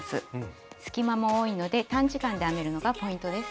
隙間も多いので短時間で編めるのがポイントです。